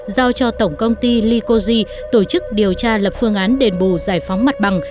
giao cho tổng công ty likogi tổ chức điều tra lập phương án đền bù giải phóng mặt bằng